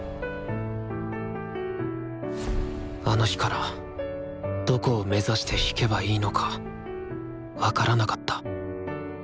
あの日からどこを目指して弾けばいいのか分からなかった。